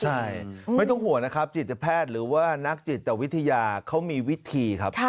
ใช่ไม่ต้องห่วงนะครับจิตแพทย์หรือว่านักจิตวิทยาเขามีวิธีครับ